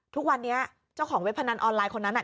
ทุกวันนี้เจ้าของเว็บพนันออนไลน์คนนั้นน่ะ